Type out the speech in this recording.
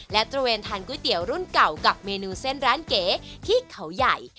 และตระเวนทานก๋วยเตี๋ยวรุ่นเก่ากับเมนูเส้นร้านเก๋ที่เขาใหญ่